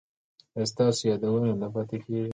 ایا ستاسو یادونه نه پاتې کیږي؟